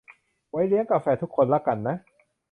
ไว้เลี้ยงกาแฟทุกคนละกันนะ